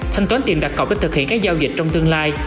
thanh toán tiền đặt cọc để thực hiện các giao dịch trong tương lai